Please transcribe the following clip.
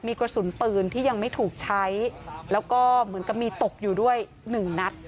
มีกระสุนปืนที่ยังไม่ถูกใช้แล้วก็เหมือนกับมีตกอยู่ด้วยหนึ่งนัด